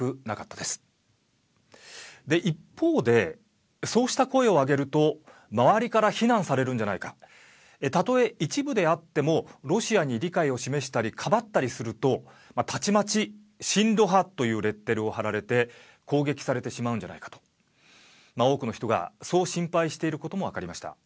で、一方でそうした声を上げると周りから非難されるんじゃないかたとえ一部であってもロシアに理解を示したりかばったりするとたちまち親ロ派というレッテルを貼られて攻撃されてしまうんじゃないかと多くの人がそう心配していることも分かりました。